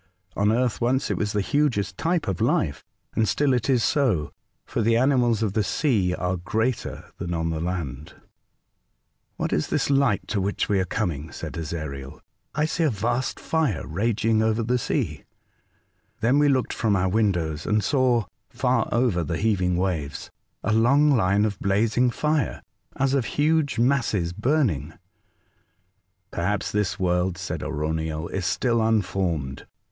, On earth once it was the hugest type of life, and still it is so, for the animals of the sea are greater than on the land." "What is this light to which we are The Land of Fire. 177 coming?" said Ezariel. "I see a vast fire raging over the sea." Then we looked from our windows and saw, far over tlie heaving waves, a long line of blazing fire, as of huge masses burning. '' Perhaps this world," said Arauniel, '* is still unformed.